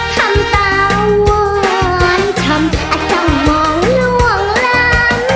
ทำตาว้อนช้ำอาจจะมองล่วงร้ำ